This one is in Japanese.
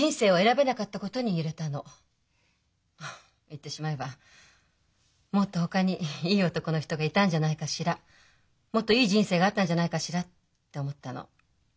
言ってしまえばもっとほかにいい男の人がいたんじゃないかしらもっといい人生があったんじゃないかしらって思ったの。